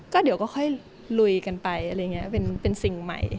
ก็เดี๋ยวก็ค่อยลุยกันไปอะไรอย่างนี้เป็นสิ่งใหม่